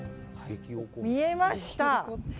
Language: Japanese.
見えました。